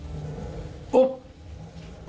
あっ。